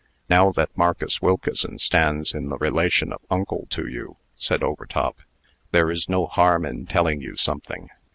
"Now that Marcus Wilkeson stands in the relation of uncle to you," said Overtop, "there is no harm in telling you something."